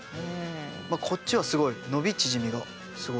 こっちはすごい伸び縮みがすごい。